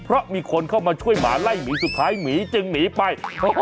เพราะมีคนเข้ามาช่วยหมาไล่หมีสุดท้ายหมีจึงหนีไป